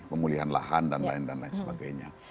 pemulihan lahan dan lain lain sebagainya